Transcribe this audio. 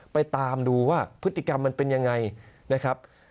ไปตามดูว่าพฤติกรรมมันเป็นยังไงนะครับ